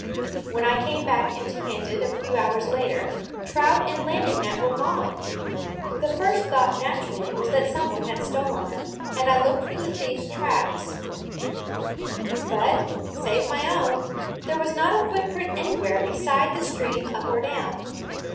When I came back empty handed, a few hours later, trout and landing net were gone. The first thought naturally was that some one had stolen them, and I looked for the thief's tracks; but, save my own, there was not a footprint anywhere beside the stream up or down.